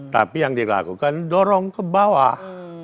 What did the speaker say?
tapi yang dilakukan dorong ke bawah